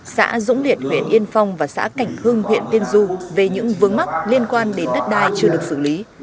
xã dũng liệt huyện yên phong và xã cảnh hương huyện tiên du về những vướng mắc liên quan đến đất đai chưa được xử lý